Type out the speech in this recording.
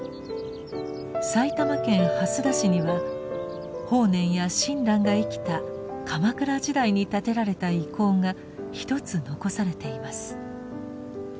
埼玉県蓮田市には法然や親鸞が生きた鎌倉時代に建てられた遺構が一つ残されています。